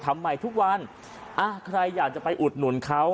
ทำไมทุกวันอ่ะใครอยากจะไปอุดหนุนเขา